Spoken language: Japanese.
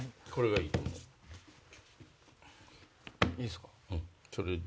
いいっすか？